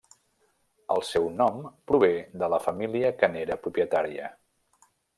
El seu nom prové de la família que n'era propietària.